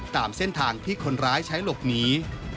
ตามเส้นทางที่คนร้ายใช้หลบหนี